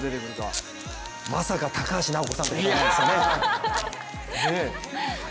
まさか高橋尚子さんってことはないですよね！？